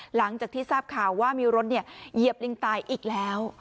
หลังจากที่ทราบข่าวว่ามีรถเหยียบลิงตายอีกแล้ว